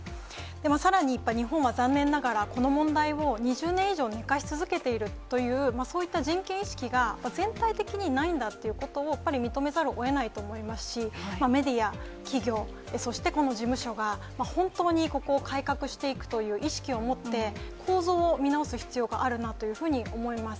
さらに、やっぱり日本は残念ながら、この問題を２０年以上寝かし続けているという、そういった人権意識が全体的にないんだっていうことを、やっぱり認めざるをえないと思いますし、メディア、企業、そしてこの事務所が、本当にここを改革していくという意識を持って、構造を見直す必要があるなというふうに思います。